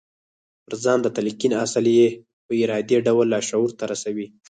پر ځان د تلقين اصل يې په ارادي ډول لاشعور ته رسوي.